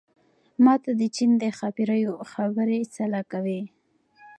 ما ته د چين د ښاپېرو خبرې څه له کوې